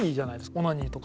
オナニーとか。